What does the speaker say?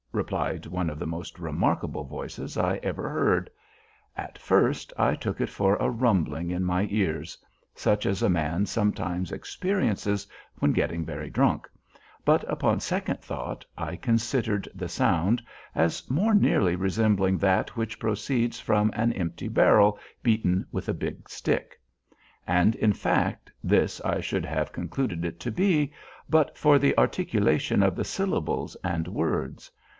replied one of the most remarkable voices I ever heard. At first I took it for a rumbling in my ears—such as a man sometimes experiences when getting very drunk—but upon second thought, I considered the sound as more nearly resembling that which proceeds from an empty barrel beaten with a big stick; and, in fact, this I should have concluded it to be, but for the articulation of the syllables and words.